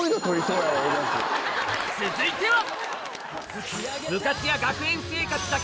続いては！